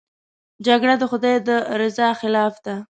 جګړه د خدای د رضا خلاف ده